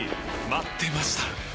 待ってました！